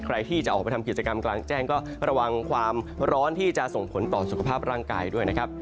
ใครที่จะออกไปทำกิจกรรมกลางแจ้งก็ระวังความร้อนที่จะส่งผลต่อสุขภาพร่างกายด้วยนะครับ